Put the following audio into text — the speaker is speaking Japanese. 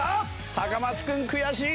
高松君悔しい。